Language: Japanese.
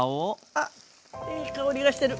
あっいい香りがしてる。